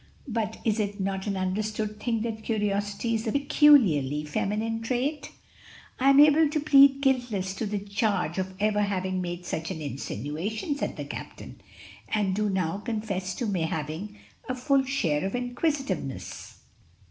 But is it not an understood thing that curiosity is a peculiarly feminine trait?" "I am able to plead guiltless to the charge of ever having made such an insinuation," said the captain; "and do now confess to having a full share of inquisitiveness."